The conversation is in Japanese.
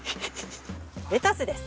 レタスです。